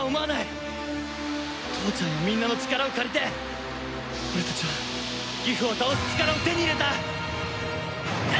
父ちゃんやみんなの力を借りて俺たちはギフを倒す力を手に入れた！